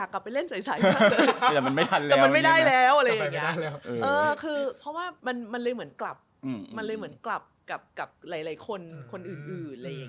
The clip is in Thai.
กลับกับหลายคนอื่น